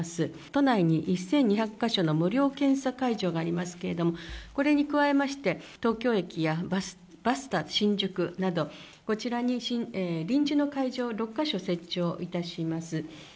都内に１２００か所の無料検査会場がありますけれども、これに加えまして、東京駅やバスタ新宿など、こちらに臨時の会場を６か所設置をいたします。